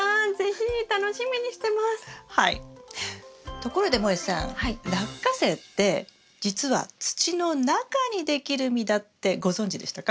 ところでもえさんラッカセイってじつは土の中にできる実だってご存じでしたか？